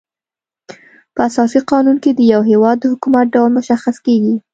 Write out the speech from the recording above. په اساسي قانون کي د یو هيواد د حکومت ډول مشخص کيږي.